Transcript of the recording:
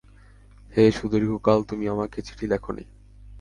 হ্যাঁ, সুদীর্ঘকাল তুমি আমাকে চিঠি লেখনি।